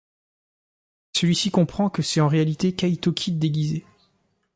Celui-ci comprend que c'est en réalité Kaito Kid déguisé.